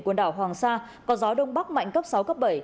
quần đảo hoàng sa có gió đông bắc mạnh cấp sáu cấp bảy